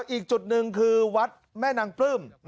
อีกจุดหนึ่งคือวัดแม่นางปลื้ม